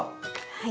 はい。